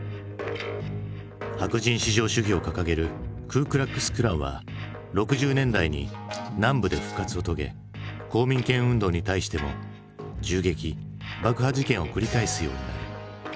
白人至上主義を掲げるクー・クラックス・クランは６０年代に南部で復活を遂げ公民権運動に対しても銃撃爆破事件を繰り返すようになる。